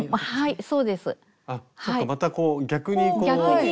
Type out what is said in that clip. はい。